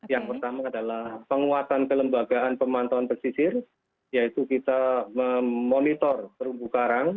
yang pertama adalah penguatan kelembagaan pemantauan pesisir yaitu kita memonitor terumbu karang